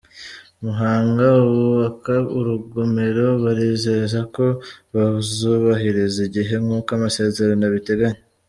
Muhanga Abubaka urugomero barizeza ko bazubahiriza igihe nk’uko amasezerano abiteganya